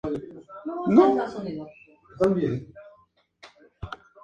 Actualmente, se encuentra inscripto para disputar la Segunda B Nacional.